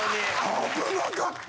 危なかった。